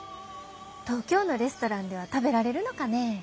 東京のレストランでは食べられるのかねぇ。